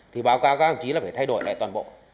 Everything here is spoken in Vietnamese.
thì báo cáo các hợp chí là phải thay đổi lại toàn bộ